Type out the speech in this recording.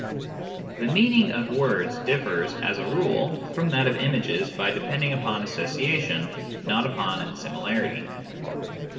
The meaning of words differs, as a rule, from that of images by depending upon association, not upon similarity.